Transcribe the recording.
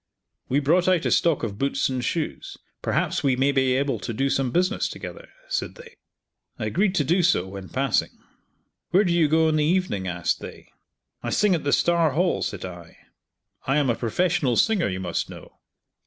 We brought out a stock of boots and shoes, perhaps we may be able to do some business together," said they. I agreed to do so when passing. "Where do you go in the evening?" asked they. "I sing at the Star Hall," said I, "I am a professional singer, you must know."